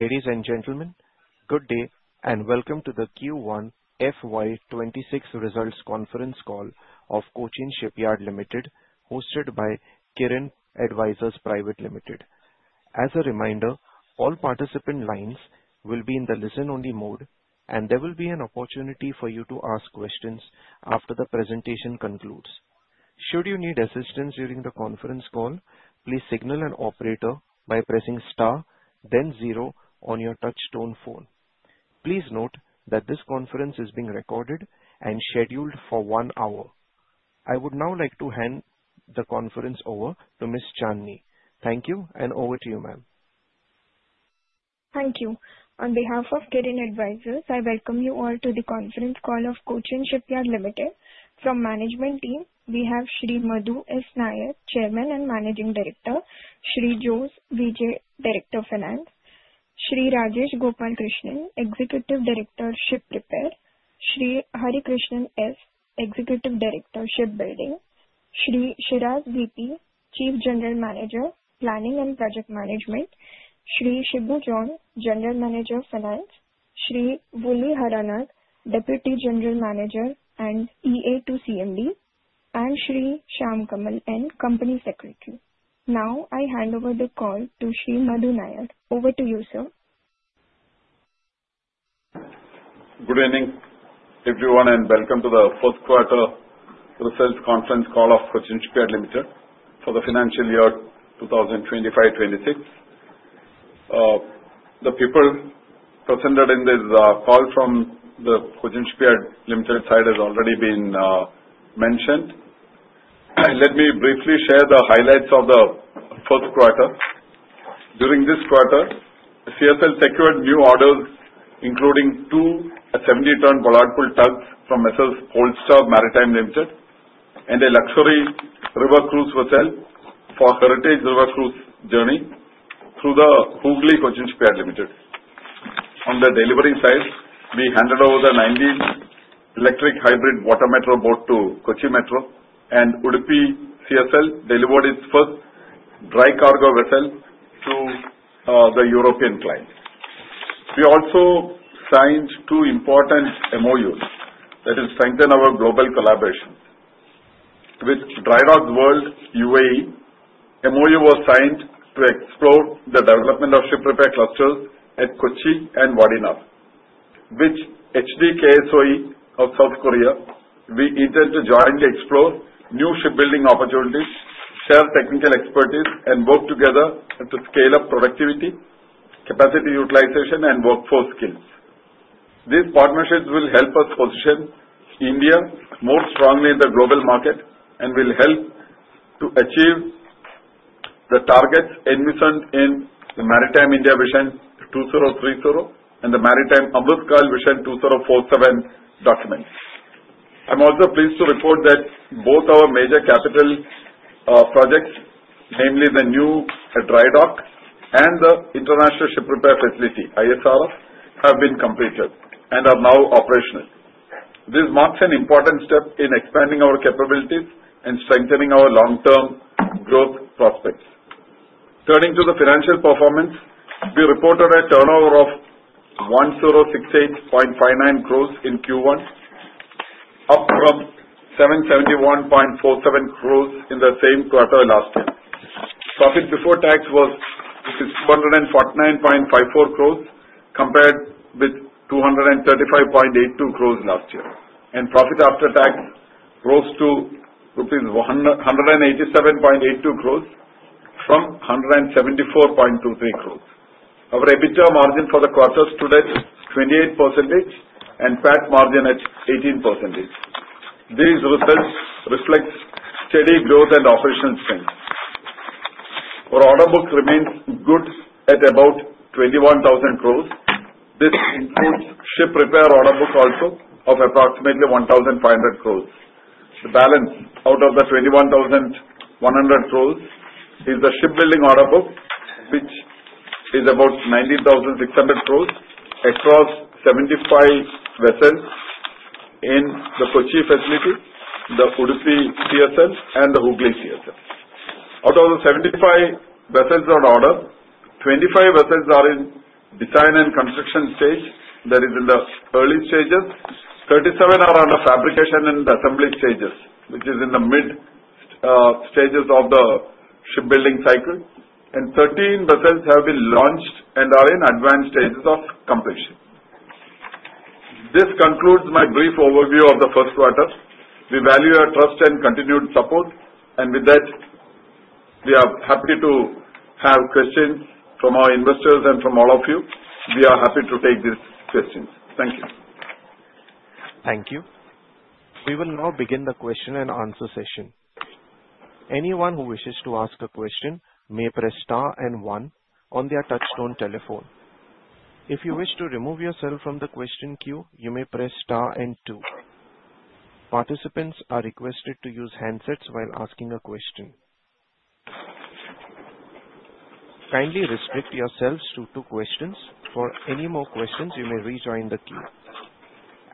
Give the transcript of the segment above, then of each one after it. Ladies and gentlemen, good day and welcome to the Q1 FY 2026 Results Conference Call of Cochin Shipyard Limited, hosted by Kirin Advisors Private Limited. As a reminder, all participant lines will be in the listen-only mode, and there will be an opportunity for you to ask questions after the presentation concludes. Should you need assistance during the conference call, please signal an operator by pressing star then zero on your touch-tone phone. Please note that this conference is being recorded and scheduled for one hour. I would now like to hand the conference over to Ms. Chandni. Thank you and over to you, ma'am. Thank you. On behalf of Kirin Advisors, I welcome you all to the conference call of Cochin Shipyard Limited. From the management team, we have Shri Madhu S. Nair, Chairman and Managing Director, Shri Jose V. J., Director of Finance, Shri Rajesh Gopalakrishnan, Executive Director, Ship Repair, Shri Harikrishnan S., Executive Director, Shipbuilding, Shri Shiraz V. P., Chief General Manager, Planning and Project Management, Shri Shibu John, General Manager, Finance, Shri Vulli Haranath, Deputy General Manager and EA to CMD, and Shri Syamkamal N., Company Secretary. Now I hand over the call to Shri Madhu S. Nair. Over to you, sir. Good evening, everyone, and welcome to the First Quarter Results Conference Call of Cochin Shipyard Limited for the Financial Year 2025-2026. The people present in this call from the Cochin Shipyard Limited side have already been mentioned. Let me briefly share the highlights of the first quarter. During this quarter, CSL secured new orders, including two 70-ton bollard pull tugs from M/s. Polestar Maritime Limited and a Luxury River Cruise Vessel for Heritage River Cruise Journeys through the Hooghly Cochin Shipyard Limited. On the delivery side, we handed over the 19th Electric Hybrid Water Metro Boat to Kochi Metro, and Udupi CSL delivered its first dry cargo vessel to the European client. We also signed two important MOUs that strengthen our global collaboration. With Drydocks World UAE, the MOU was signed to explore the development of ship repair clusters at Kochi and Vadinar. With HD KSOE of South Korea, we intend to jointly explore new shipbuilding opportunities, share technical expertise, and work together to scale up productivity, capacity utilization, and workforce skills. These partnerships will help us position India more strongly in the global market and will help to achieve the targets envisioned in the Maritime India Vision 2030 and the Maritime Amrit Kaal Vision 2047 Documents. I'm also pleased to report that both our major capital projects, namely the new Drydock and the International Ship Repair Facility (ISRF), have been completed and are now operational. This marks an important step in expanding our capabilities and strengthening our long-term growth prospects. Turning to the financial performance, we reported a turnover of 1,068.59 crore in Q1, up from 771.47 crore in the same quarter last year. Profit before tax was 249.54 crore compared with 235.82 crore last year, and profit after tax rose to rupees 187.82 crore from 174.23 crore. Our EBITDA margin for the quarter stood at 28% and PAT margin at 18%. These results reflect steady growth and operational strength. Our order book remains good at about 21,000 crore. This includes ship repair order books also of approximately 1,500 crore. The balance out of the 21,000 crore is the shipbuilding order book, which is about 19,500 crore across 75 vessels in the Kochi facility, the Udupi CSL, and the Hooghly CSL. Out of the 75 vessels on order, 25 vessels are in design and construction stage that is in the early stages, 37 are under fabrication and assembly stages, which is in the mid stages of the shipbuilding cycle, and 13 vessels have been launched and are in advanced stages of completion. This concludes my brief overview of the first quarter. We value your trust and continued support, and with that, we are happy to have questions from our investors and from all of you. We are happy to take these questions. Thank you. Thank you. We will now begin the question-and-answer session. Anyone who wishes to ask a question may press star one on their touch-tone telephone. If you wish to remove yourself from the question queue, you may press star two. Participants are requested to use handsets while asking a question. Kindly restrict yourselves to two questions. For any more questions, you may rejoin the queue.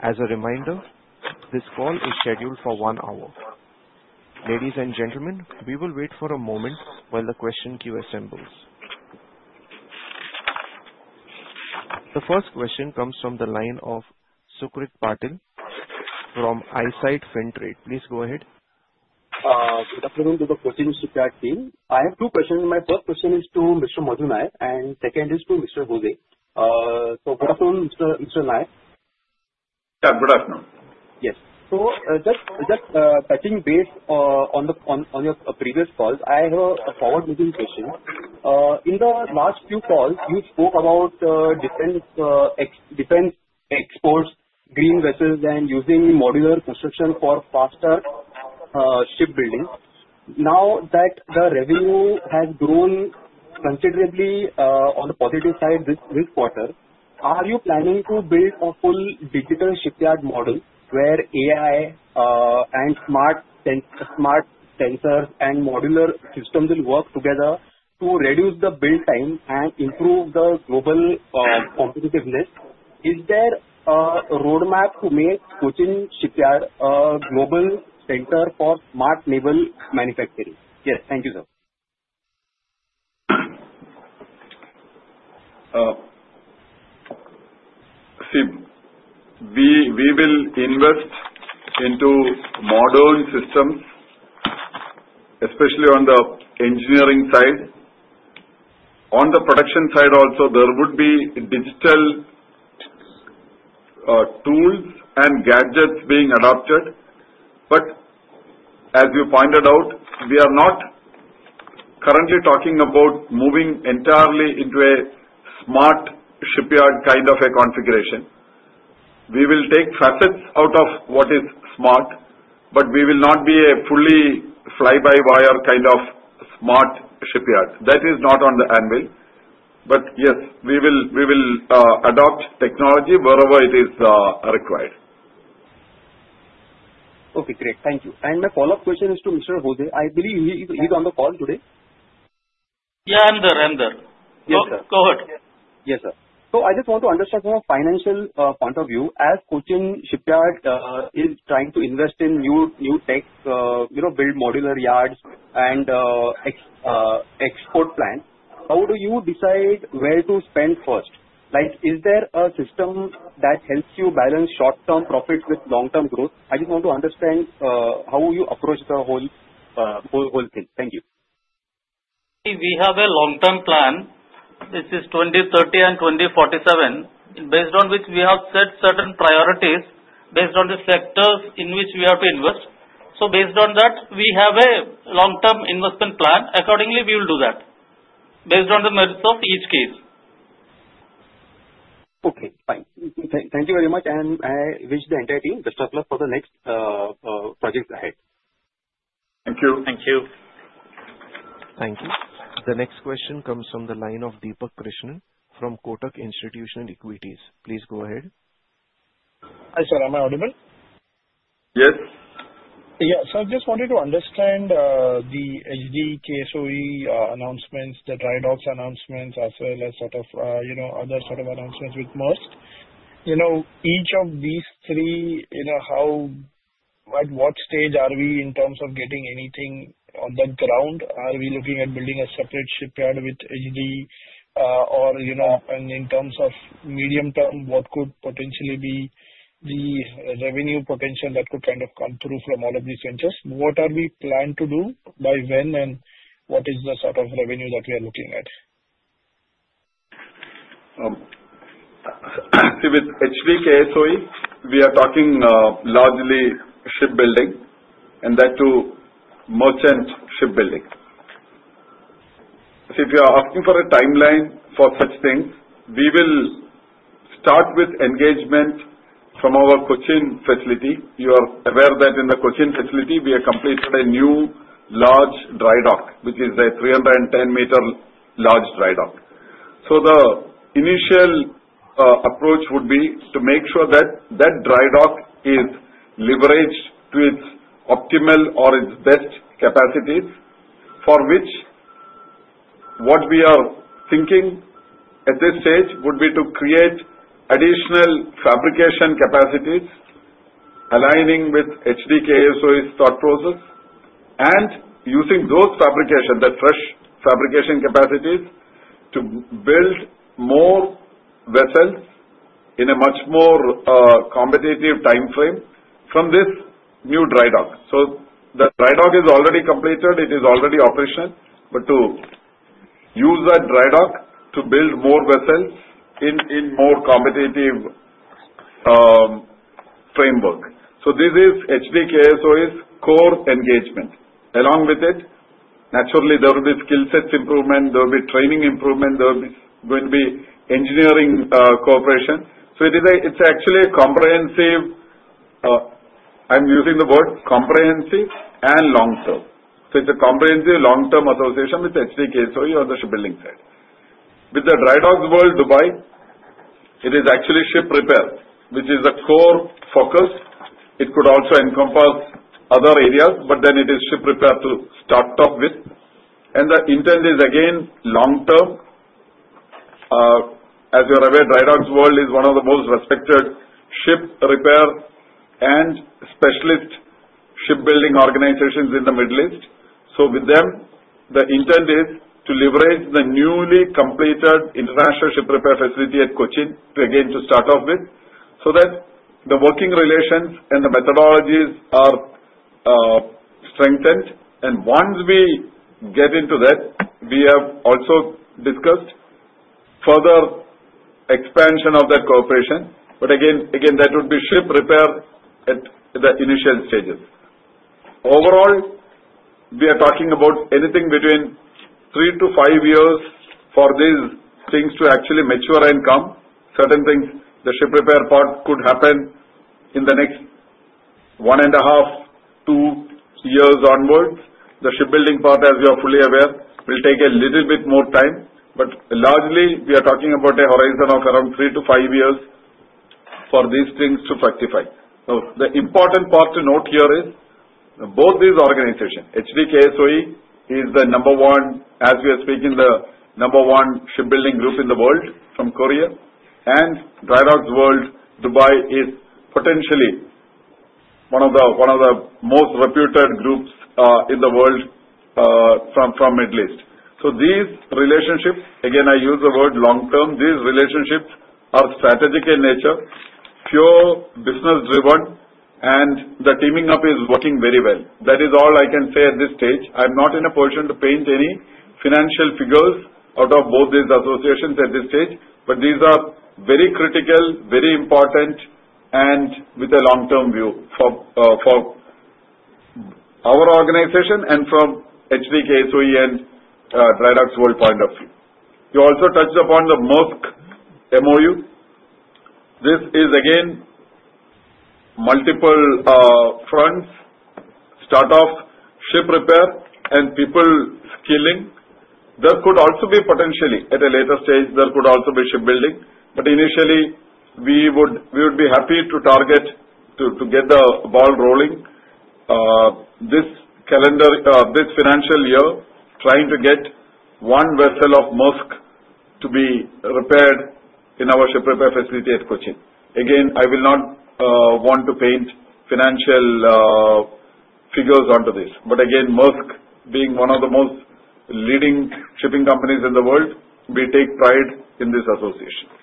As a reminder, this call is scheduled for one hour. Ladies and gentlemen, we will wait for a moment while the question queue assembles. The first question comes from the line of Sucrit Patil from Eyesight Fintrade. Please go ahead. Good afternoon to the Cochin Shipyard team. I have two questions. My first question is to Mr. Madhu Nair, and the second is to Mr. Jose. Good afternoon, Mr. Nair. Yeah, good afternoon. Yes. Just touching base on your previous calls, I have a forward-looking session. In the last few calls, you spoke about Japan's exports of green vessels and using modular construction for faster shipbuilding. Now that the revenue has grown considerably on the positive side this quarter, are you planning to build a full digital shipyard model where AI and smart sensors and modular systems will work together to reduce the build time and improve the global competitiveness? Is there a roadmap to make Cochin Shipyard a global center for smart naval manufacturing? Yes, thank you, sir. See, we will invest into modern systems, especially on the engineering side. On the production side also, there would be digital tools and gadgets being adopted. As you pointed out, we are not currently talking about moving entirely into a smart shipyard kind of a configuration. We will take facets out of what is smart, but we will not be a fully fly-by-wire kind of smart shipyard. That is not on the anvil. Yes, we will adopt technology wherever it is required. Okay, great. Thank you. My follow-up question is to Mr. Jose. I believe he's on the call today. Yeah, I'm there. I'm there. Okay, go ahead. Yes, sir. I just want to understand from a financial point of view, as Cochin Shipyard is trying to invest in new tech, build modular yards, and export plants, how do you decide where to spend first? Is there a system that helps you balance short-term profit with long-term growth? I just want to understand how you approach the whole thing. Thank you. We have a long-term plan. This is 2030 and 2047, based on which we have set certain priorities based on the sectors in which we have to invest. Based on that, we have a long-term investment plan. Accordingly, we will do that based on the merits of each case. Okay, fine. Thank you very much. I wish the entire team the best for the next projects ahead. Thank you. Thank you. Thank you. The next question comes from the line of Deepak Krishnan from Kotak Institutional Equities. Please go ahead. Hi, sir. Am I audible? Yes. Yeah, so I just wanted to understand the HD KSOE announcements, the dry docks announcements, as well as other announcements with Maersk. Each of these three, how at what stage are we in terms of getting anything on the ground? Are we looking at building a separate shipyard with HD? In terms of medium term, what could potentially be the revenue potential that could come through from all of these ventures? What are we planned to do by when and what is the sort of revenue that we are looking at? Actually, with HD KSOE, we are talking largely shipbuilding and that too merchant shipbuilding. If you are asking for a timeline for such things, we will start with engagement from our Cochin facility. You are aware that in the Cochin facility, we have completed a new large dry dock, which is a 310-meter large dry dock. The initial approach would be to make sure that that dry dock is leveraged to its optimal or its best capacities, for which what we are thinking at this stage would be to create additional fabrication capacities aligning with HD KSOE's thought process and using those fabrications, that fresh fabrication capacities to build more vessels in a much more competitive timeframe from this new dry dock. The dry dock is already completed. It is already operational. To use that dry dock to build more vessels in a more competitive framework. This is HD KSOE's core engagement. Along with it, naturally, there will be skill sets improvement. There will be training improvement. There will be going to be engineering cooperation. It is actually a comprehensive, I'm using the word comprehensive and long-term. It is a comprehensive long-term association with HD KSOE on the shipbuilding side. With Drydocks World Dubai, it is actually ship repair, which is the core focus. It could also encompass other areas, but then it is ship repair to start up with. The intent is, again, long-term. As you're aware, Drydocks World is one of the most respected ship repair and specialist shipbuilding organizations in the Middle East. With them, the intent is to leverage the newly completed international ship repair facility at Cochin, again, to start off with, so that the working relations and the methodologies are strengthened. Once we get into that, we have also discussed further expansion of that cooperation. Again, that would be ship repair at the initial stages. Overall, we are talking about anything between three to five years for these things to actually mature and come. Certain things, the ship repair part could happen in the next one and a half, two years onwards. The shipbuilding part, as you are fully aware, will take a little bit more time. Largely, we are talking about a horizon of around three to five years for these things to fructify. The important part to note here is that both these organizations, HD KSOE is the number one, as we are speaking, the number one shipbuilding group in the world from South Korea, and Drydocks World Dubai is potentially one of the most reputed groups in the world from the Middle East. These relationships, again, I use the word long-term, these relationships are strategic in nature, pure business-driven, and the teaming up is working very well. That is all I can say at this stage. I'm not in a position to paint any financial figures out of both these associations at this stage, but these are very critical, very important, and with a long-term view for our organization and from HD KSOE and Drydocks World's point of view. You also touched upon the Maersk MOU. This is, again, multiple fronts: startup, ship repair, and people skilling. There could also be potentially, at a later stage, there could also be shipbuilding. Initially, we would be happy to target to get the ball rolling this calendar, this financial year, trying to get one vessel of Maersk to be repaired in our ship repair facility at Cochin. Again, I will not want to paint financial figures onto this. Maersk being one of the most leading shipping companies in the world, we take pride in these associations.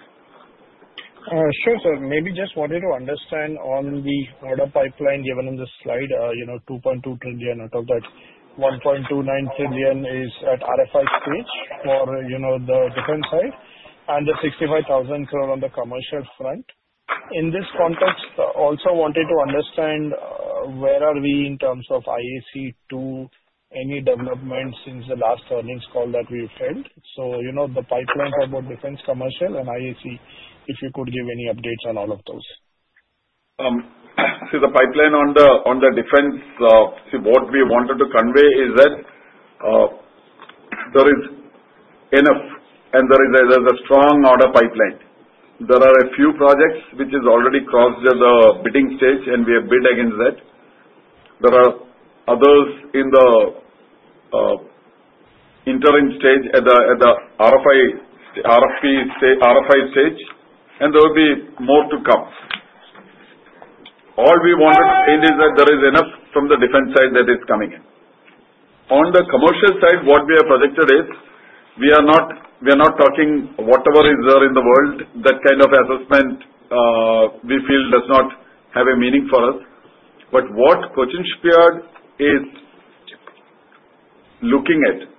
Sure, sir. Maybe just wanted to understand on the order pipeline given in the slide, you know, 2.2 trillion total but 1.29 trillion is at RFI stage for, you know, the defense side and the 65,000 crore for on the commercial front. In this context, also wanted to understand where are we in terms of IAC-2, any development since the last earnings call that we've held. The pipeline for both defense, commercial, and IAC, if you could give any updates on all of those. See the pipeline on the defense. What we wanted to convey is that there is enough and there is a strong order pipeline. There are a few projects which have already crossed the bidding stage, and we have bid against that. There are others in the interim stage at the RFI stage, and there will be more to come. All we wanted is that there is enough from the defense side that is coming in. On the commercial side, what we have predicted is we are not talking whatever is there in the world. That kind of assessment, we feel, does not have a meaning for us. What Cochin Shipyard is looking at,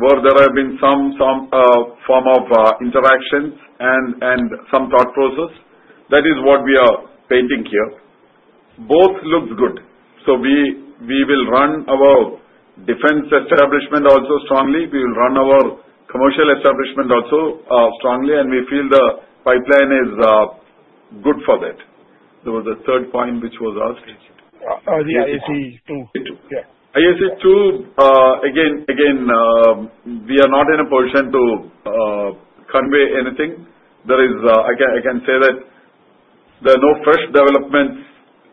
where there have been some form of interactions and some thought process, that is what we are painting here. Both look good. We will run our defense establishment also strongly. We will run our commercial establishment also strongly, and we feel the pipeline is good for that. There was a third point which was asked. The IAC-2. IAC-2. Again, we are not in a position to convey anything. I can say that there are no fresh developments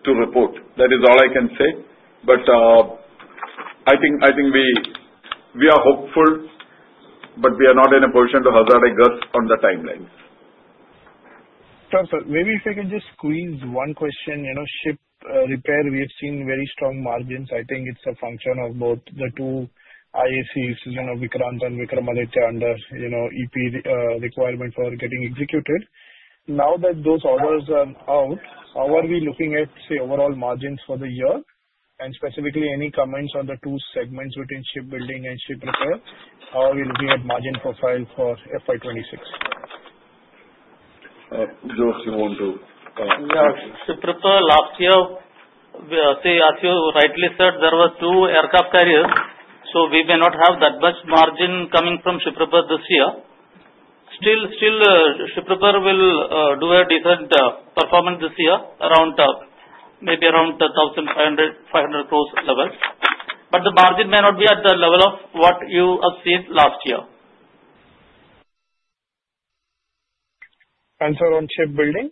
to report. That is all I can say. I think we are hopeful, but we are not in a position to hazard a guess on the timelines. Sure, sir. Maybe if I can just squeeze one question. You know, ship repair, we have seen very strong margins. I think it's a function of both the two IACs, you know, Vikrant and Vikramaditya, and the EP requirement for getting executed. Now that those orders are out, how are we looking at, say, overall margins for the year? Specifically, any comments on the two segments between shipbuilding and ship repair? How are we looking at margin profile for FY 2026? Jose, you want to? Yeah, Ship repair last year, we are saying as you rightly said, there were two aircraft carriers. We may not have that much margin coming from ship repair this year. Still, ship repair will do a decent performance this year, maybe around 1,500 crore levels. The margin may not be at the level of what you have seen last year. Answer on shipbuilding?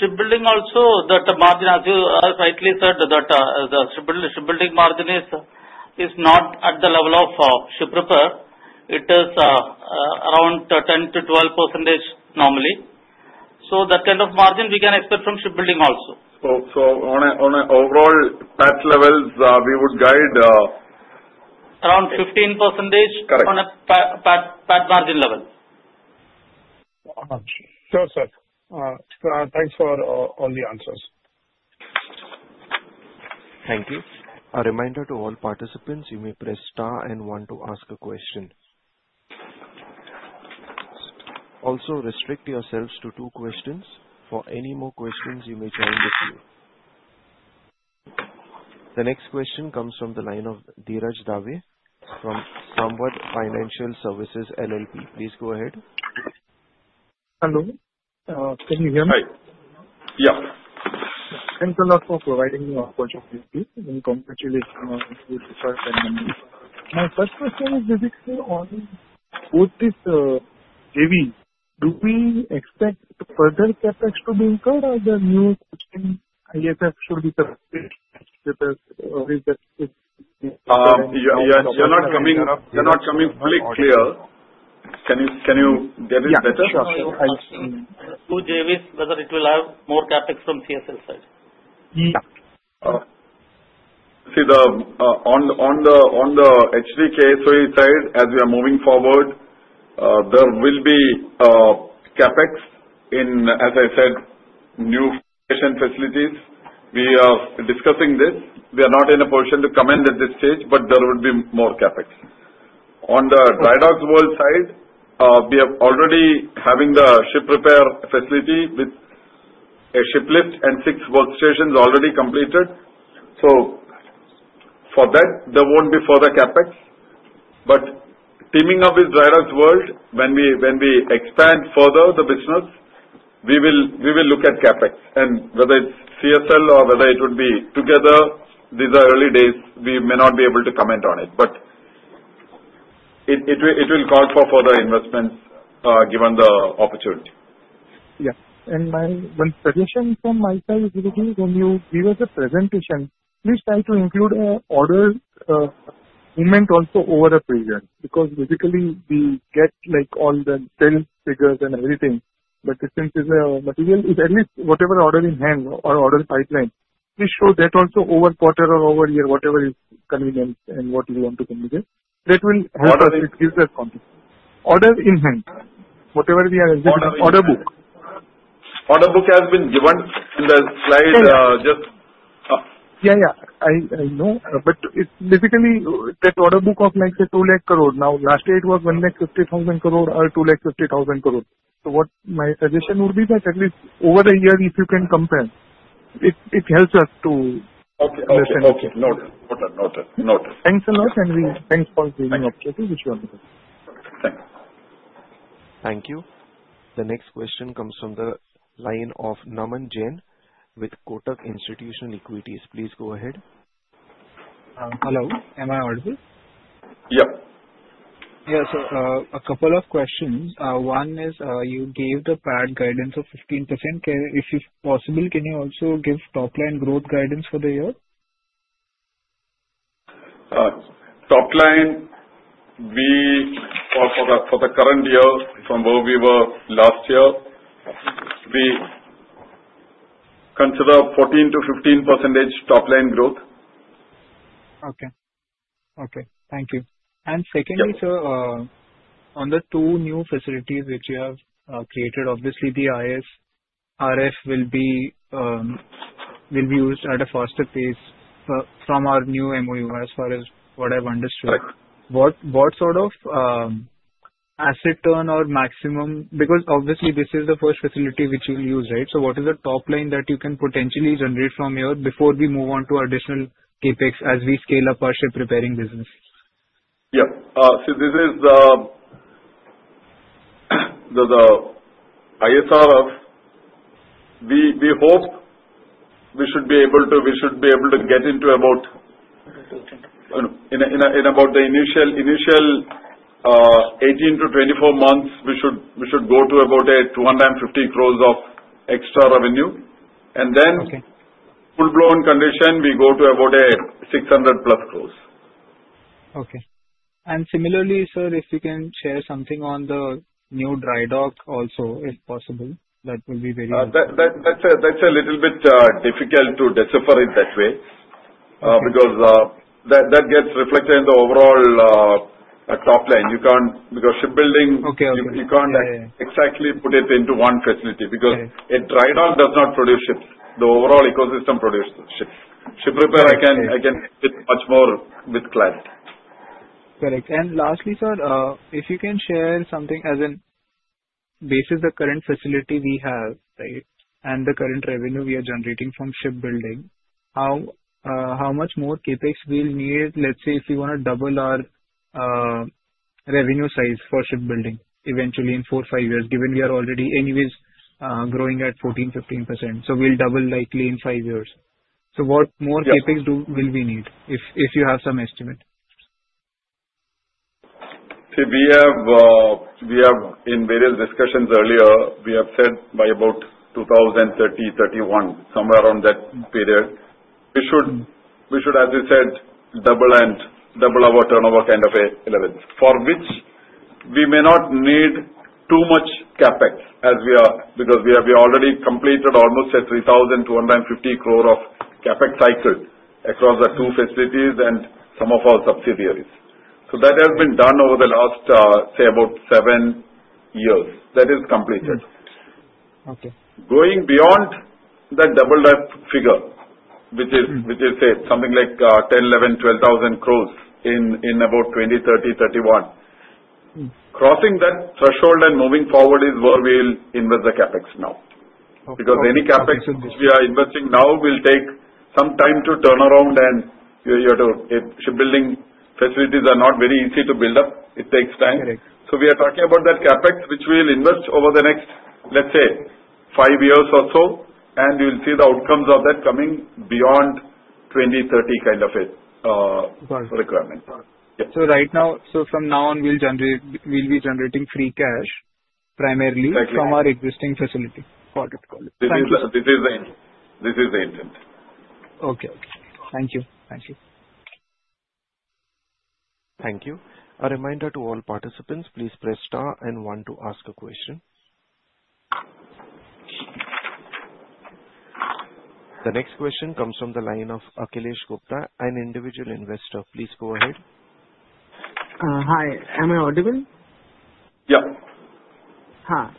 Shipbuilding also, that margin, as you rightly said, that the shipbuilding margin is not at the level of ship repair. It is around 10%-2% normally. That kind of margin we can expect from shipbuilding also. On an overall PAT levels, we would guide. Around 15% on a PAT margin levels. Sure, sir. Thanks for all the answers. Thank you. A reminder to all participants, you may press star and one to ask a question. Also, restrict yourselves to two questions. For any more questions, you may queue in the field. The next question comes from the line of Dhiraj Dave from Samvad Financial Services LLP. Please go ahead. Hello, can you hear me? Hi. Yeah. Thanks a lot for providing me a call, and congratulations on this first enemy. My first question is, does it still always boot this JV? Do we expect further CapEx to be incurred, or the new JVs would be corrected? You're not coming out clear. Can you get it better? I think the new JVs, whether it will have more CapEx from CSL side. See, on the HD KSOE side, as we are moving forward, there will be CapEx in, as I said, new workstation facilities. We are discussing this. We are not in a position to comment at this stage, but there would be more CapEx. On the Drydocks World side, we are already having the ship repair facility with a shiplift and six workstations already completed. For that, there won't be further CapEx. Teaming up with Drydocks World, when we expand further the business, we will look at CapEx. Whether it's CSL or whether it would be together, these are early days. We may not be able to comment on it. It will count for further investments given the opportunity. Yeah. My one suggestion from my side is, when you give us a presentation, please try to include an order movement also over a period, because basically, we get like on the figures and everything. Since it's material, if at least whatever order in hand or order pipeline, please show that also over a quarter or over a year, whatever is convenient and what you want to convey there. That will help us. It gives us context. Order in hand, whatever we are order book. Order book has been given in the slide. Yeah, I know. Basically, that order book of 2 lakh crore. Last year, it was 150,000 crore or 250,000 crore. What my suggestion would be is that at least over a year, if you can compare, it helps us to understand. Okay. Noted. Noted. Noted. Thanks a lot. Thanks for giving opportunity. Thanks. Thank you. The next question comes from the line of Naman Jain with Kotak Institutional Equities. Please go ahead. Hello. Am I audible? Yeah. Yeah, sir. A couple of questions. One is, you gave the PAT guidance of 15%. If it's possible, can you also give top line growth guidance for the year? Top line, for the current year, from where we were last year, it should be considered 14%-15% top line growth. Okay. Thank you. Secondly, sir, on the two new facilities which you have created, obviously, the ISRF will be used at a faster pace from our new MOU as far as what I've understood. What sort of asset turn or maximum, because obviously, this is the first facility which you'll use, right? What is the top line that you can potentially generate from here before we move on to additional CapEx as we scale up our ship repairing business? Yeah. This is the ISRF. We hope we should be able to get into about, in about the initial 18 to 24 months, we should go to about 250 crore of extra revenue. In full-blown condition, we go to about 600+ crore. Okay. If you can share something on the new dry dock also, if possible, that will be very useful. That's a little bit difficult to decipher it that way because that gets reflected in the overall topline. You can't, because shipbuilding, you can't exactly put it into one facility because a dry dock does not produce ships. The overall ecosystem produces ships. Ship repair, I can fit much more with clients. Correct. Lastly, sir, if you can share something as in basis, the current facility we have, right, and the current revenue we are generating from shipbuilding, how much more CapEx we'll need, let's say, if we want to double our revenue size for shipbuilding eventually in four or five years, given we are already anyways growing at 14%-15%. We'll double likely in five years. What more CapEx do we need, if you have some estimate? We have in various discussions earlier said by about 2030, 2031, somewhere around that period, we should, as I said, double and double our turnover kind of a level for which we may not need too much CapEx as we are because we have already completed almost 3,250 crore of CapEx cycles across the two facilities and some of our subsidiaries. That has been done over the last, say, about seven years. That is completed. Going beyond that double, that figure, which is, say, something like 10,000 crore, 11,000 crore, INR 12,000 crore in about 2030, 2031, crossing that threshold and moving forward is where we'll invest the CapEx now. Any CapEx we are investing now will take some time to turn around and you have to, shipbuilding facilities are not very easy to build up. It takes time. We are talking about that capex, which we'll invest over the next, let's say, five years or so, and you'll see the outcomes of that coming beyond 2030 kind of a requirement. Right now, from now on, we'll generate, we'll be generating free cash primarily from our existing facility. This is the end. This is the end. Okay. Thank you. Thank you. Thank you. A reminder to all participants, please press star and one to ask a question. The next question comes from the line of Akhilesh Gupta, an individual investor. Please go ahead. Hi, am I audible? Yeah. Hi.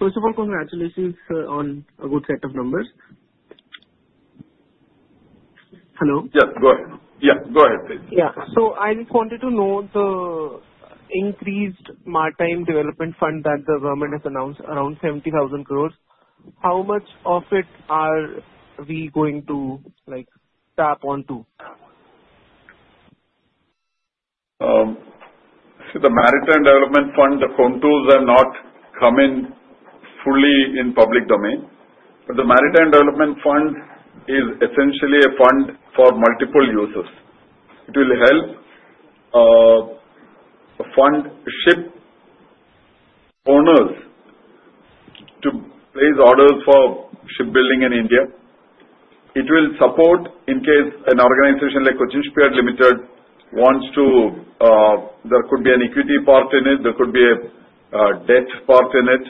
First of all, congratulations on a good set of numbers. Hello? Yeah, go ahead, please. Yeah, I just wanted to know the increased Maritime Development Fund that the government has announced, around 70,000 crore. How much of it are we going to tap onto? The Maritime Development Fund, the contours are not coming fully in public domain, but the Maritime Development Fund is essentially a fund for multiple uses. It will help fund ship owners to raise orders for shipbuilding in India. It will support in case an organization like Cochin Shipyard Limited wants to, there could be an equity part in it. There could be a debt part in it.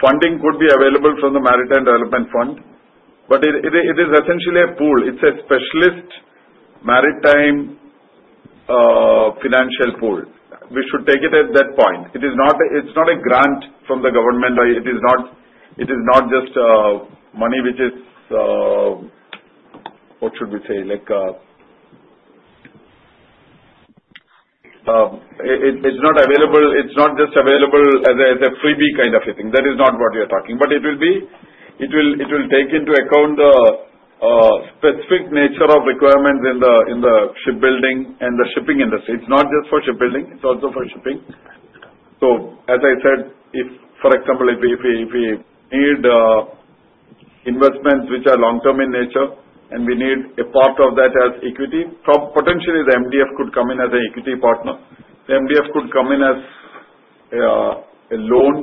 Funding could be available from the Maritime Development Fund. It is essentially a pool. It's a specialist maritime financial pool. We should take it at that point. It is not a grant from the government. It is not just money, which is, what should we say? Like it's not available. It's not just available as a freebie kind of a thing. That is not what we are talking. It will take into account the specific nature of requirements in the shipbuilding and the shipping industry. It's not just for shipbuilding. It's also for shipping. As I said, if, for example, we need investments which are long-term in nature and we need a part of that as equity, potentially, the MDF could come in as an equity partner. The MDF could come in as a loan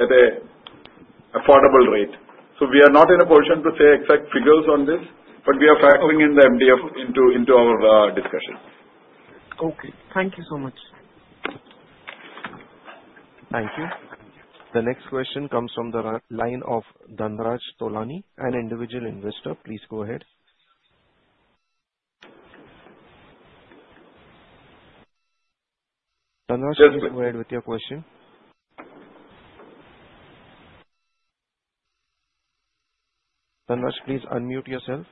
at an affordable rate. We are not in a position to say exact figures on this, but we are factoring in the MDF into our discussion. Okay, thank you so much. Thank you. The next question comes from the line of Dhanraj Tolani, an individual investor. Please go ahead. Dhanraj, go ahead with your question. Dhanraj, please unmute yourself.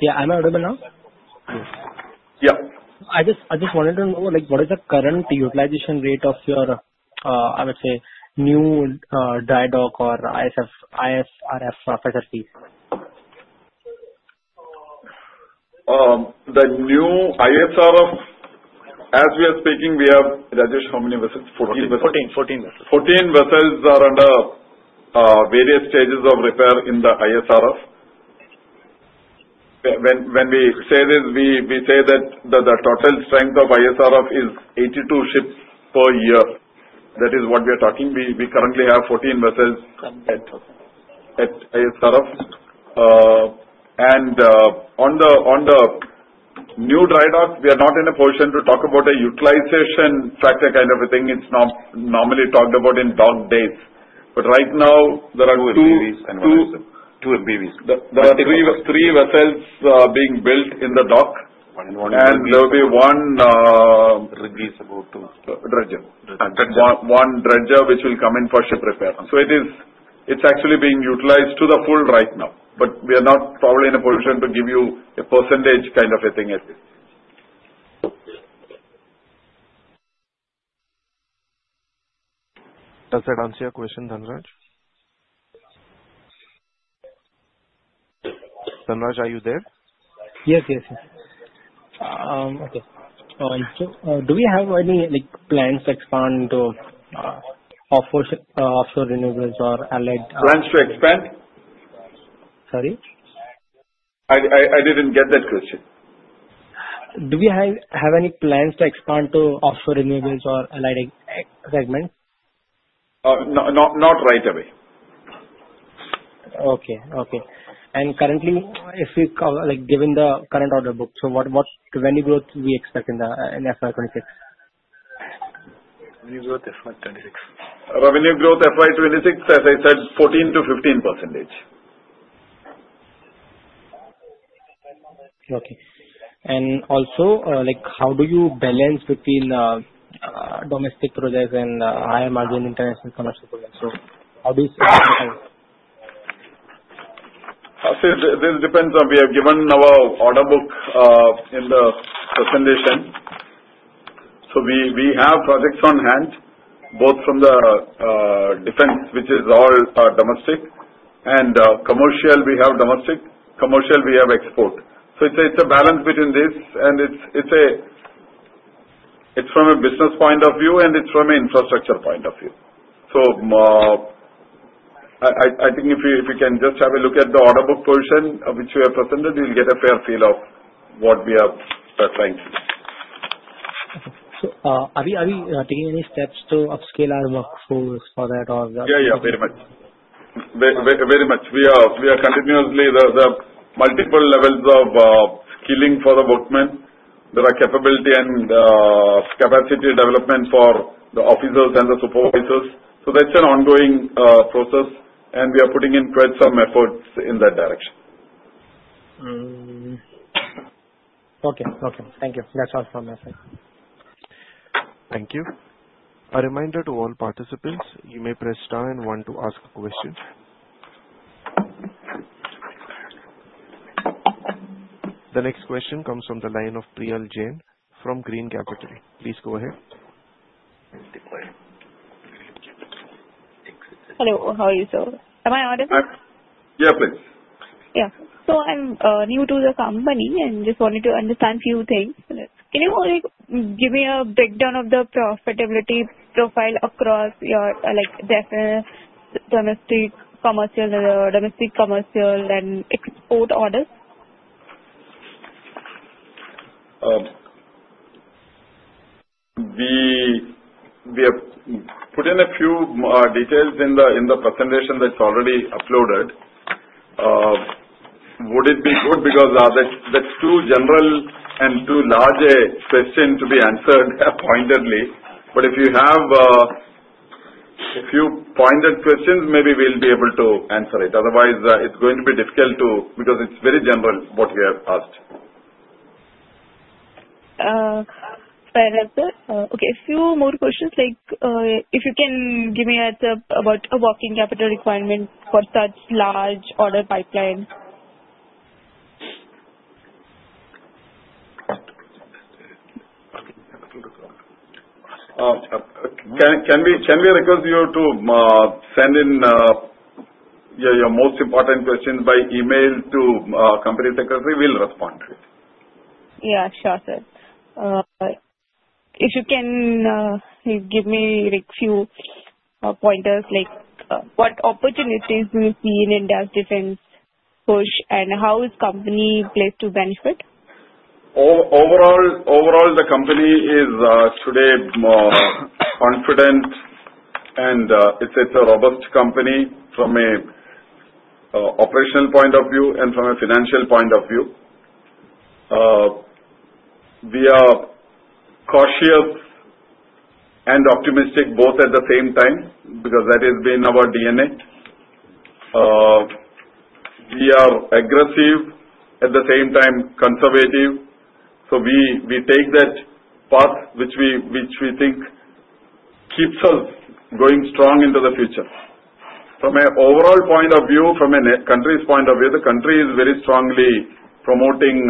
Yeah, am I audible now? Yes. Yeah. I just wanted to know what is the current utilization rate of your, I would say, new dry dock or ISRF facilities? The new ISRF, as we are speaking, we have, Rajesh, how many vessels? 14 vessels. 14, 14 vessels. 14 vessels are under various stages of repair in the ISRF. When we say this, we say that the total strength of ISRF is 82 ships per year. That is what we are talking. We currently have 14 vessels at ISRF, and on the new dry dock, we are not in a position to talk about a utilization factor kind of a thing. It's normally talked about in dock days. Right now, there are two MBVs. Two MBVs. There are three vessels being built in the dock. One in one. There will be one dredger, one dredger which will come in for ship repair. It is actually being utilized to the full right now. We are not probably in a position to give you a percentage kind of a thing at this. Does that answer your question, Dhanraj? Dhanraj, are you there? Yes. Okay. Do we have any plans to expand to offshore renewables or allied? Plans to expand? Sorry? I didn't get that question. Do we have any plans to expand to offshore renewables or allied segments? Not right away. Okay. Currently, if you like, given the current order book, what revenue growth do we expect in the FY 2026? Revenue growth FY 2026, as I said, 14%-15%. Okay. How do you balance between domestic projects and higher margin international commercial projects? How do you see the balance? This depends on, we have given our order book in the presentation. We have projects on hand, both from the defense, which is all domestic, and commercial. We have domestic commercial, we have export. It's a balance between this, and it's from a business point of view, and it's from an infrastructure point of view. I think if you can just have a look at the order book portion of which we have presented, you'll get a fair feel of what we are suffering. Are we taking any steps to upscale our workforce for that, or? Yeah, very much. We are continuously at multiple levels of skilling for the workmen. There are capability and capacity development for the officers and the supervisors. That's an ongoing process, and we are putting in quite some efforts in that direction. Okay. Okay. Thank you. That's all from me. Thank you. A reminder to all participants, you may press star and one to ask a question. The next question comes from the line of Priyal Jain from Green Capital. Please go ahead. Hello, how are you, sir? Am I audible? Yeah, please. I'm new to the company and just wanted to understand a few things. Can you give me a breakdown of the profitability profile across your domestic commercial and export orders? We have put in a few details in the presentation that's already uploaded. Would it be good? That's too general and too large a question to be answered pointedly. If you have a few pointed questions, maybe we'll be able to answer it. Otherwise, it's going to be difficult because it's very general what we have asked. Sorry, I heard that. Okay, a few more questions. If you can give me a tip about a working capital requirement for such large order pipeline. Can we request you to send in your most important questions by email to the Company Secretary? We'll respond to it. Yeah, sure, sir. If you can give me a few pointers, like what opportunities do you see in India's defense push and how is the company placed to benefit? Overall, the company is today confident, and it's a robust company from an operational point of view and from a financial point of view. We are cautious and optimistic both at the same time because that has been our DNA. We are aggressive, at the same time, conservative. We take that path which we think keeps us going strong into the future. From an overall point of view, from a country's point of view, the country is very strongly promoting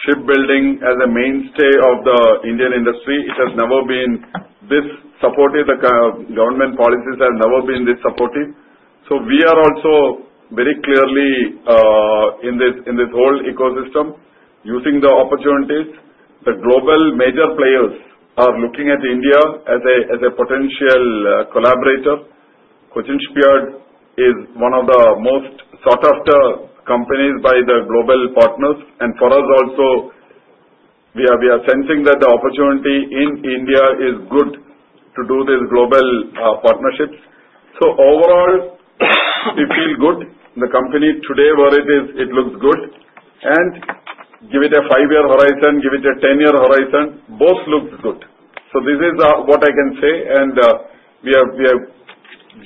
shipbuilding as a mainstay of the Indian industry. It has never been this supportive. The government policies have never been this supportive. We are also very clearly in this whole ecosystem using the opportunities. The global major players are looking at India as a potential collaborator. Cochin Shipyard is one of the most sought-after companies by the global partners. For us also, we are sensing that the opportunity in India is good to do these global partnerships. Overall, we feel good. The company today where it is, it looks good. Give it a five-year horizon, give it a 10-year horizon, both look good. This is what I can say. We have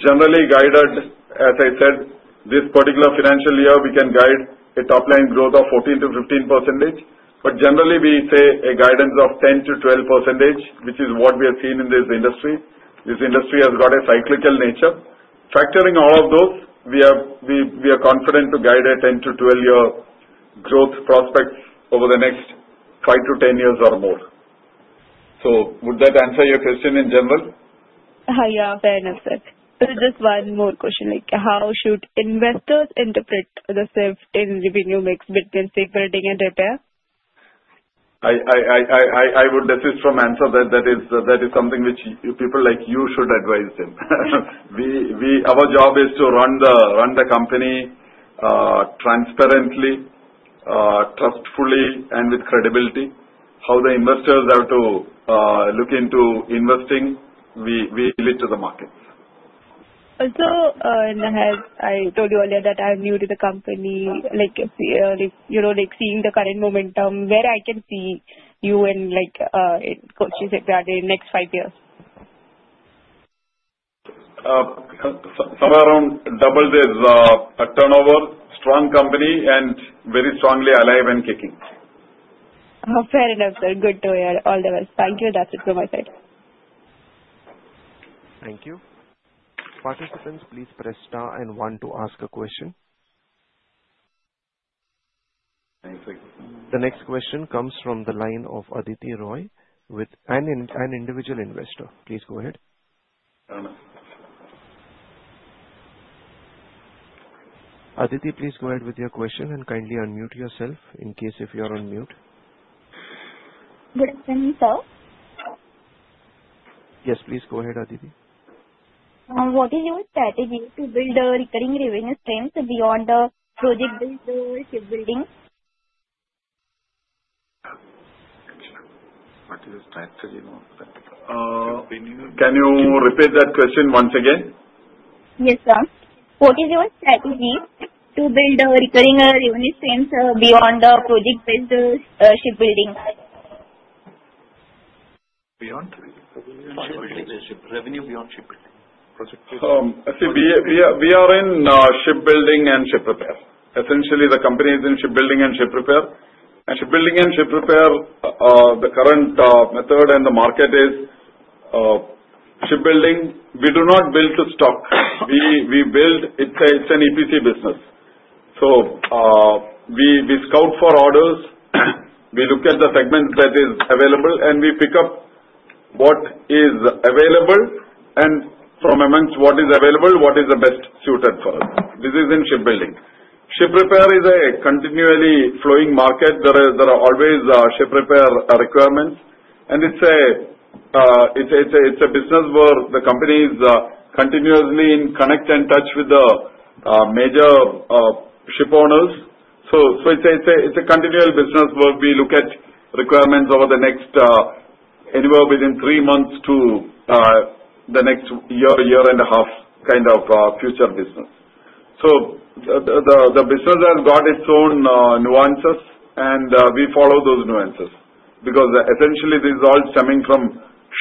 generally guided, as I said, this particular financial year, we can guide a top-line growth of 14%-15%. Generally, we say a guidance of 10%-12%, which is what we have seen in this industry. This industry has got a cyclical nature. Factoring all of those, we are confident to guide a 10 to 12-year growth prospects over the next five to 10 years or more. Would that answer your question in general? Yeah, fair enough, sir. Just one more question. How should investors interpret the shift in revenue mix between shipbuilding and repair? I would desist from answering that. That is something which people like you should advise them. Our job is to run the company transparently, trustfully, and with credibility. How the investors have to look into investing, we leave it to the markets. I told you earlier that I'm new to the company. Like, you know, seeing the current momentum, where can I see you and Cochin Shipyard in the next five years? Somewhere around double the turnover, strong company, and very strongly alive and kicking. Fair enough, sir. Good to hear. All the best. Thank you. That's it from my side. Thank you. Participants, please press star and one to ask a question. The next question comes from the line of Aditi Roy, an individual investor. Please go ahead. Aditi, please go ahead with your question and kindly unmute yourself in case you're on mute. Can you self? Yes, please go ahead, Aditi. What is your strategy to build a recurring revenue stream beyond the project-based shipbuilding? What is your strategy now? Can you repeat that question once again? Yes, sir. What is your strategy to build a recurring revenue stream beyond the project-based shipbuilding? Beyond project-based shipbuilding? Project-based shipbuilding, revenue beyond shipbuilding. I see. We are in shipbuilding and ship repair. Essentially, the company is in shipbuilding and ship repair. Shipbuilding and ship repair, the current method and the market is shipbuilding. We do not build to stock. We build, it's an EPC business. We scout for orders. We look at the segments that are available, and we pick up what is available. From amongst what is available, what is the best suited for us. This is in shipbuilding. Ship repair is a continually flowing market. There are always ship repair requirements. It's a business where the company is continuously in connect and touch with the major shipowners. It's a continual business where we look at requirements over the next anywhere within three months to the next year, year and a half kind of future business. The business has got its own nuances, and we follow those nuances because essentially, this is all stemming from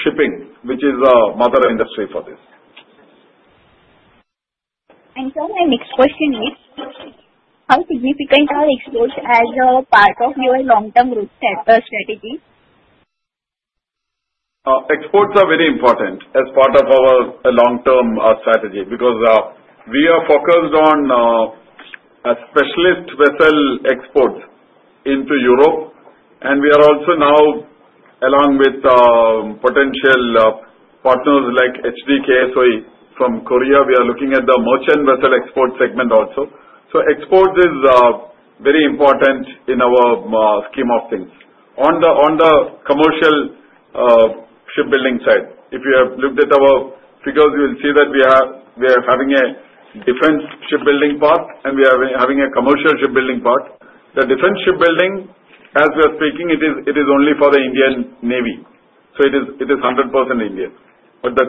shipping, which is a mother industry for this. Sir, my next question is, how significant are exports as a part of your long-term route as a strategy? Exports are very important as part of our long-term strategy because we are focused on a specialist vessel export into Europe. We are also now, along with potential partners like HD KSOE from South Korea, looking at the merchant vessel export segment also. Exports is very important in our scheme of things. On the commercial shipbuilding side, if you have looked at our figures, you will see that we are having a defense shipbuilding part, and we are having a commercial shipbuilding part. The defense shipbuilding, as we are speaking, it is only for the Indian Navy. It is 100% Indian. The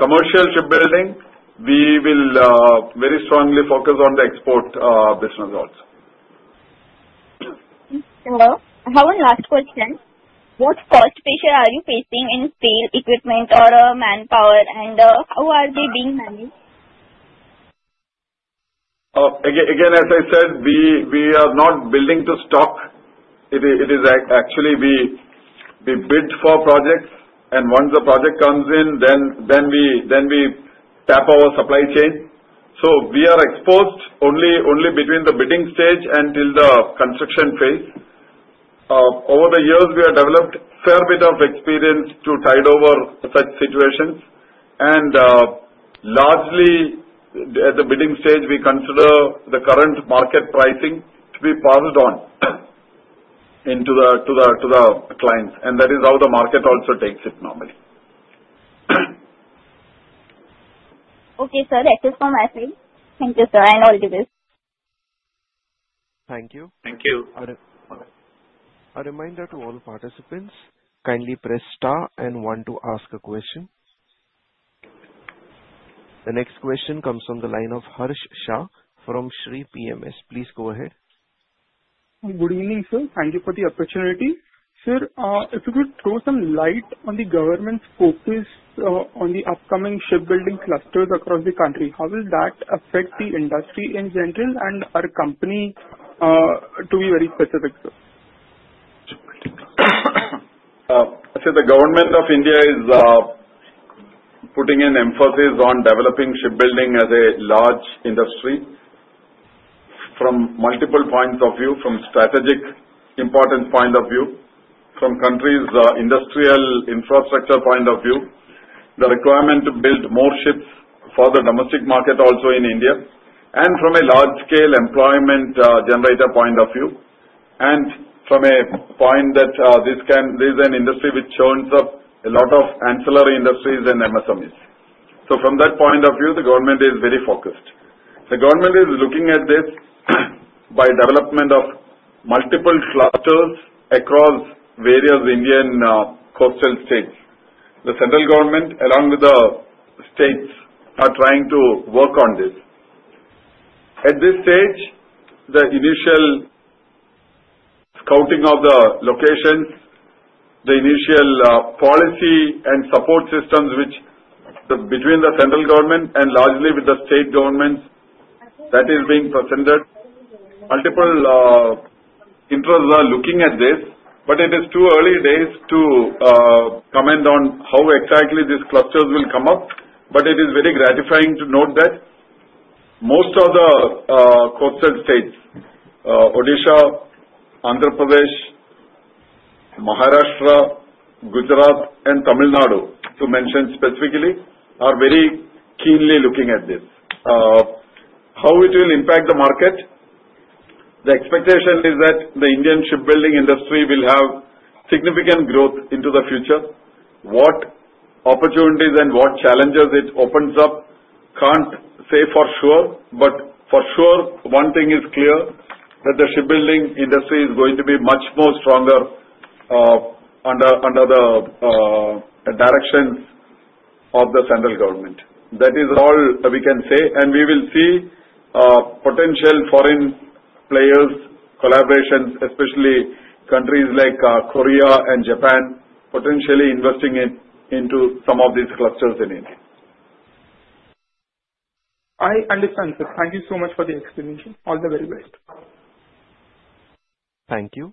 commercial shipbuilding, we will very strongly focus on the export business also. Hello. I have a last question. What cost pressure are you facing in sale equipment or manpower, and how are they being managed? Again, as I said, we are not building to stock. It is actually, we bid for projects, and once the project comes in, then we tap our supply chain. We are exposed only between the bidding stage until the construction phase. Over the years, we have developed a fair bit of experience to tide over such situations. Largely, at the bidding stage, we consider the current market pricing. We pass it on to the clients. That is how the market also takes it normally. Okay, sir. That's it from my side. Thank you, sir. I am out of this. Thank you. Thank you. A reminder to all participants, kindly press star and one to ask a question. The next question comes from the line of Harsh Shah from Shree PMS. Please go ahead. Good evening, sir. Thank you for the opportunity. Sir, if you could throw some light on the government's focus on the upcoming shipbuilding clusters across the country, how will that affect the industry in general and our company, to be very specific. The government of India is putting an emphasis on developing shipbuilding as a large industry from multiple points of view, from strategic importance point of view, from the country's industrial infrastructure point of view, the requirement to build more ships for the domestic market also in India, and from a large-scale employment generator point of view, and from a point that this is an industry which churns up a lot of ancillary industries and MSMEs. From that point of view, the government is very focused. The government is looking at this by development of multiple clusters across various Indian coastal states. The federal government, along with the states, are trying to work on this. At this stage, the initial scouting of the locations, the initial policy and support systems between the federal government and largely with the state governments, that is being presented. Multiple interests are looking at this, but it is too early days to comment on how exactly these clusters will come up. It is very gratifying to note that most of the coastal states, Odisha, Andhra Pradesh, Maharashtra, Gujarat, and Tamil Nadu, to mention specifically, are very keenly looking at this. How it will impact the market, the expectation is that the Indian shipbuilding industry will have significant growth into the future. What opportunities and what challenges it opens up can't say for sure. For sure, one thing is clear that the shipbuilding industry is going to be much more stronger under the directions of the federal government. That is all we can say. We will see potential foreign players, collaborations, especially countries like Korea and Japan, potentially investing into some of these clusters in India. I understand, sir. Thank you so much for the explanation. All the very best. Thank you.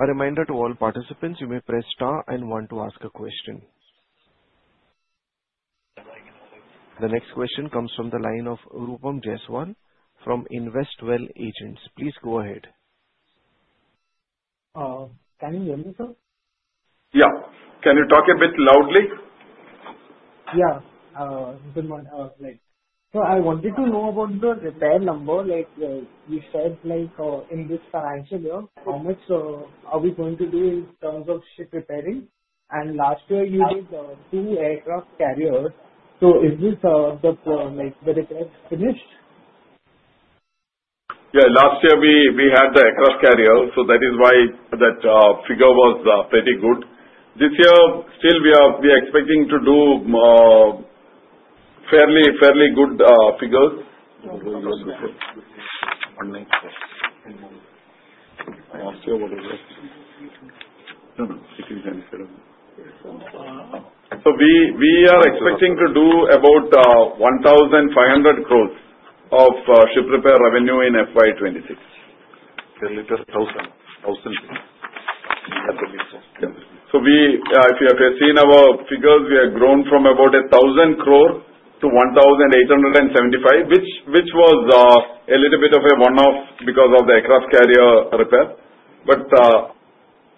A reminder to all participants, you may press star and one to ask a question. The next question comes from the line of Rupam Jaiswal from Investwell Agents. Please go ahead. Can you hear me, sir? Yeah, can you talk a bit loudly? Good morning. I wanted to know about your repair number. Like you said, in this financial year, how much are we going to be in terms of ship repairing? Last year, you did a senior aircraft carrier. Is this where it gets finished? Last year, we had the aircraft carrier. That is why that figure was pretty good. This year, still, we are expecting to do fairly, fairly good figures. We are expecting to do about 1,500 crore of ship repair revenue in FY 2026. A little thousand, thousand things. We have the resource. If you have seen our figures, we have grown from about 1,000 crore to 1,875 crore, which was a little bit of a one-off because of the aircraft carrier repair.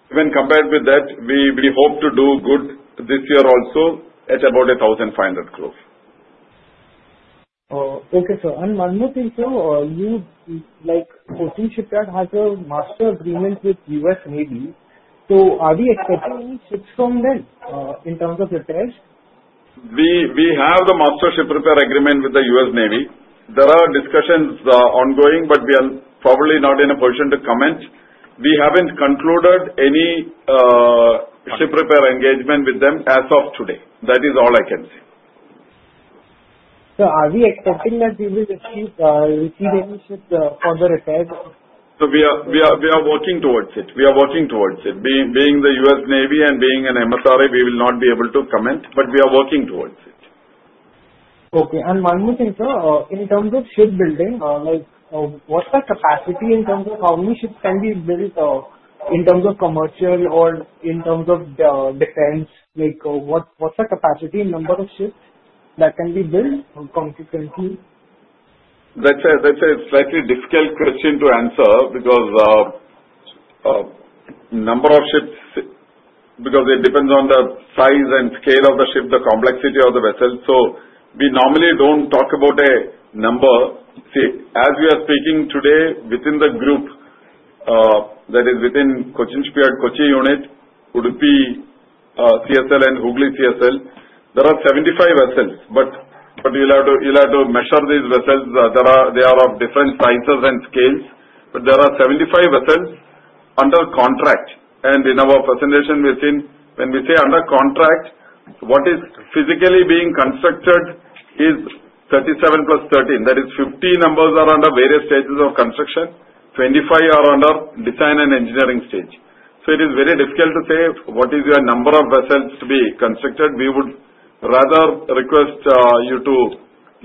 When compared with that, we hope to do good this year also at about 1,500 crore. Okay, sir. One more thing, sir. Cochin Shipyard a Master Ship Repair Agreement with the U.S. Navy. Are we expecting any ships from them in terms of repairs? We have the Master Ship Repair Agreement with the U.S. Navy. There are discussions ongoing, but we are probably not in a position to comment. We haven't concluded any ship repair engagement with them as of today. That is all I can say. Are we expecting that we will receive any ships for the repairs? We are working towards it. Being the U.S. Navy and being an MSRA, we will not be able to comment, but we are working towards it. Okay. One more thing, sir. In terms of shipbuilding, what's the capacity in terms of how many ships can be built in terms of commercial or in terms of defense? What's the capacity and number of ships that can be built consequently? That's an exactly difficult question to answer because the number of ships depends on the size and scale of the ship, the complexity of the vessel. We normally don't talk about a number. As we are speaking today, within the group, that is within Cochin Shipyard, Kochi unit, Udupi CSL, and Hooghly CSL, there are 75 vessels. You'll have to measure these vessels. They are of different sizes and scales. There are 75 vessels under contract. In our presentation, we've seen when we say under contract, what is physically being constructed is 37+13. That is, 50 numbers are under various stages of construction. 25 are under design and engineering stage. It is very difficult to say what is your number of vessels to be constructed. We would rather request you to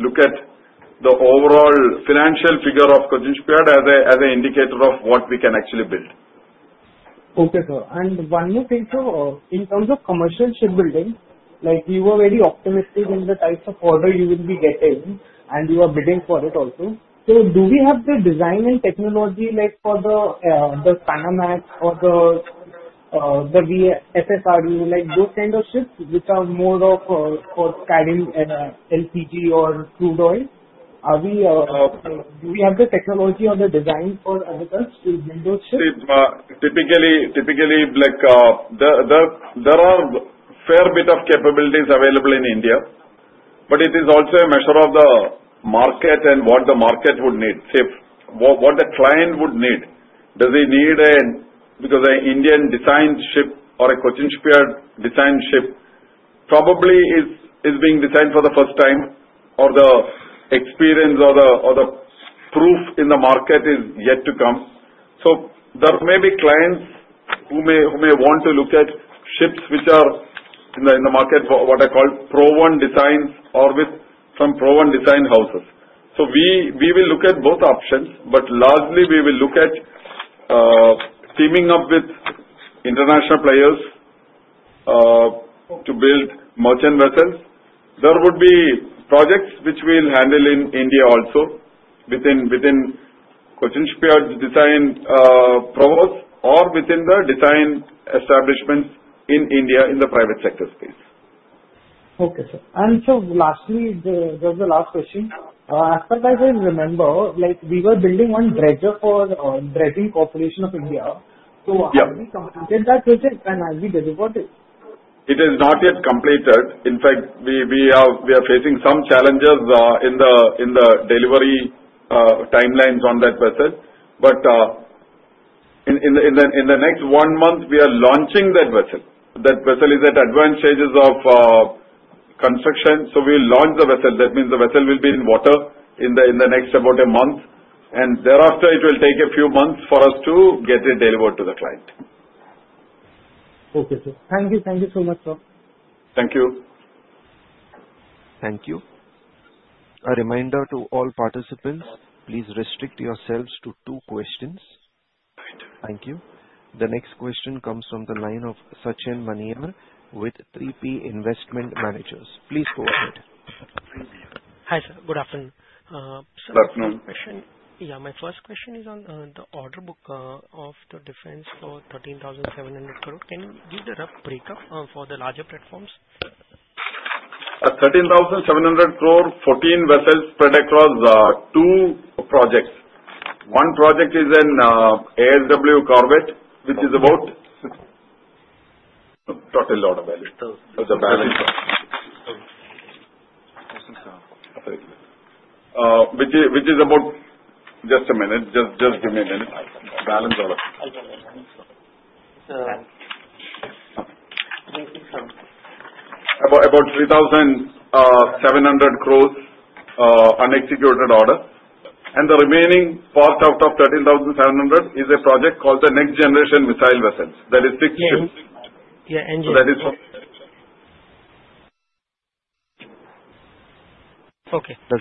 look at the overall financial figure of Cochin Shipyard as an indicator of what we can actually build. Okay, sir. One more thing, sir. In terms of commercial shipbuilding, you were very optimistic in the types of order you will be getting, and you are bidding for it also. Do we have the design and technology like for the Panamax or the SSR, those kind of ships which are more for carrying an LPG or crude oil? Do we have the technology or the design for those ships? Typically, there are a fair bit of capabilities available in India, but it is also a matter of the market and what the market would need. What the client would need. Does he need an Indian design ship or a Cochin Shipyard design ship? Probably it's being designed for the first time, or the experience or the proof in the market is yet to come. There may be clients who may want to look at ships which are in the market for what I call proven designs or with some proven design houses. We will look at both options, but largely, we will look at teaming up with international players to build merchant vessels. There would be projects which we'll handle in India also within Cochin Shipyard's design provost or within the design establishments in India in the private sector space. Okay, sir. Lastly, just the last question. As far as I remember, we were building one dredger for the Dredging Corporation of India. Have we completed that project, and have we delivered it? It is not yet completed. In fact, we are facing some challenges in the delivery timelines on that vessel. In the next one month, we are launching that vessel. That vessel is at advanced stages of construction. We'll launch the vessel, which means the vessel will be in water in the next about a month. Thereafter, it will take a few months for us to get it delivered to the client. Okay, sir. Thank you. Thank you so much, sir. Thank you. Thank you. A reminder to all participants, please restrict yourselves to two questions. Thank you. The next question comes from the line of Sachin Maniar with 3P Investment Managers. Please go ahead. Hi, sir. Good afternoon. My question, yeah, my first question is on the order book of the defense for 13,700 crore. Can you give the rough breakup for the larger platforms? 13,700 crore, 14 vessels spread across two projects. One project is in ASW Corvette, which is about... Talk a lot about it. The balance, which is about—just a minute. Balance order. Sir. About INR 3,700 crore unexecuted orders. The remaining fourth out of INR 13,700 crore is a project called the Next Generation Missile Vessels. That is 62. Okay. Does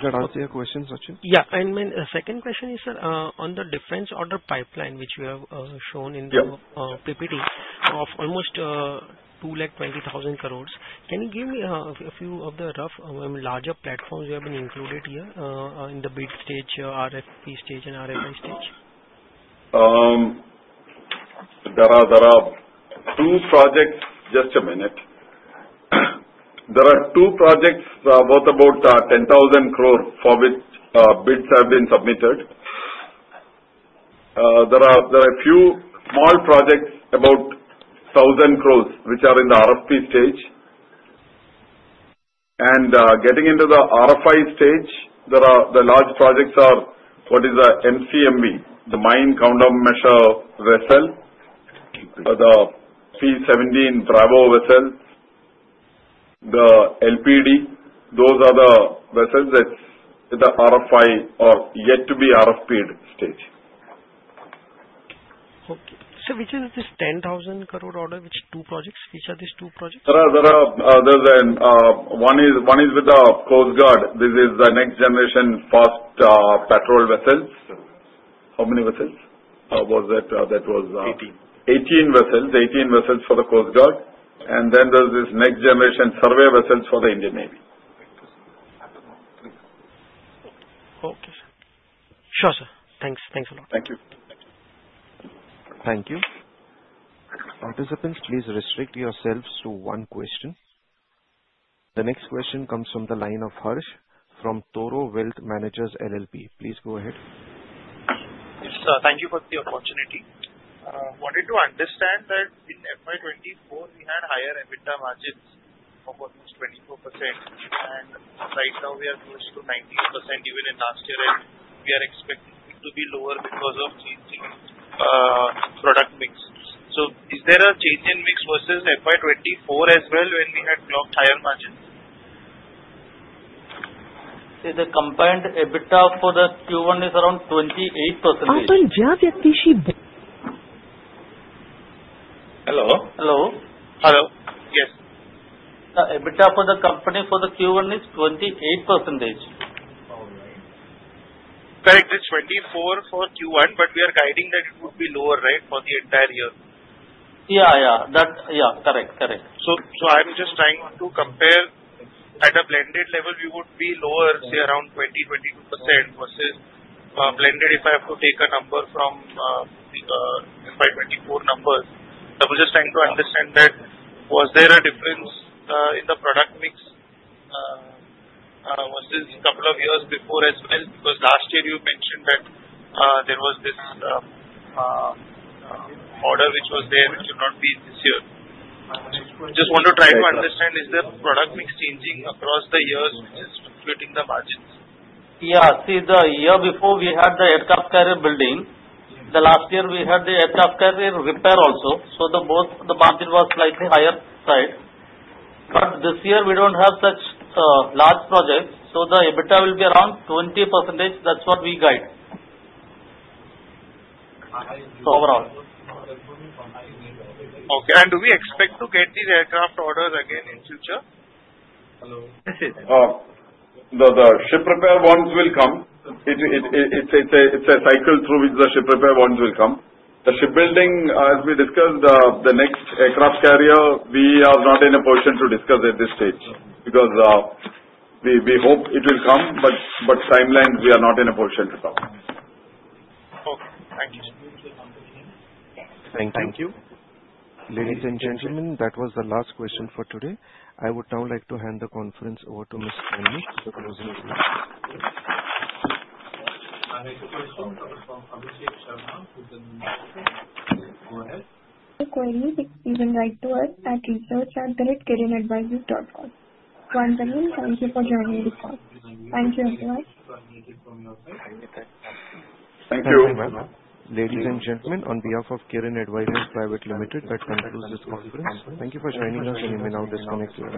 that answer your question, Sachin? Yeah. My second question is, sir, on the defense order pipeline, which we have shown in the PPT of almost 220,000 crore, can you give me a few of the rough, I mean, larger platforms you have included here in the bid stage, RFP stage, and RFI stage? There are two projects. Just a minute. There are two projects, both about 10,000 crore, for which bids have been submitted. There are a few small projects about 1,000 crore, which are in the RFP stage. Getting into the RFI stage, the large projects are what is the MCMV, the Mine Countermeasure Vessel, the P-17 Bravo Vessel, the LPD. Those are the vessels that are in the RFI or yet to be RFPed stage. Okay. Which is this 10,000 crore order, which is two projects? Which are these two projects? There are others. One is with the Coast Guard. This is the Next Generation Fast Patrol Vessel. How many vessels? How about that? That was 18 vessels, 18 vessels for the Coast Guard. There is this Next Generation Survey Vessel for the Indian Navy. Okay, sir. Sure, sir. Thanks. Thanks a lot. Thank you. Thank you. Participants, please restrict yourselves to one question. The next question comes from the line of Harsh from Toro Wealth Managers LLP. Please go ahead. Yes, sir. Thank you for the opportunity. I wanted to understand that in FY 2024, we had higher EBITDA margins of almost 24%. Right now, we are close to 19% even in last year, and we are expecting it to be lower because of changing product mix. Is there a change in mix versus FY 2024 as well when we had clocked higher margins? See, the combined EBITDA for Q1 is around 28%. Hi, sir. Hello? Hello? Hello? Hello. Yes. EBITDA for the company for the Q1 is 28%. Correct. It's 24% for Q1, but we are guiding that it would be lower, right, for the entire year. Yeah, correct, correct. I'm just trying to compare. At a blended level, we would be lower, say, around 20%-22% versus blended. If I have to take a number from the FY 2024 numbers, I was just trying to understand that was there a difference in the product mix with these couple of years before as well? Because last year, you mentioned that there was this order which was there, which should not be this year. I just want to try to understand, is the product mix changing across the years, including the margins? Yeah. See, the year before, we had the aircraft carrier building. Last year, we had the aircraft carrier repair also. The margin was slightly higher side. This year, we don't have such large projects. The EBITDA will be around 20%. That's what we guide overall. Okay. Do we expect to get these aircraft orders again in the future? Hello. The ship repair ones will come. It's a cycle through which the ship repair ones will come. The shipbuilding, as we discussed, the next aircraft carrier, we are not in a position to discuss at this stage because we hope it will come, but timelines, we are not in a position to come. Okay, thank you. Thank you. Ladies and gentlemen, that was the last question for today. I would now like to hand the conference over to Ms. Chandni. I'll move to the next slide. For us. Require you to even write to us at research@kirinadvisors.com. Once again, thank you for joining the call. Thank you as well. Thank you very much. Ladies and gentlemen, on behalf of Kirin Advisors Private Limited. that conducted this conference, thank you for joining us, and you may now disconnect.